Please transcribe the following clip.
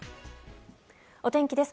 お天気です。